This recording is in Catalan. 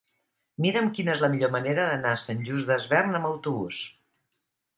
Mira'm quina és la millor manera d'anar a Sant Just Desvern amb autobús.